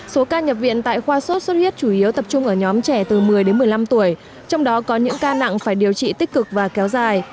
số ca nhập viện tại khoa sốt xuất huyết chủ yếu tập trung ở nhóm trẻ từ một mươi đến một mươi năm tuổi trong đó có những ca nặng phải điều trị tích cực và kéo dài